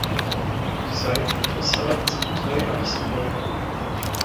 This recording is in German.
Die Seitenfassaden sind drei Achsen weit.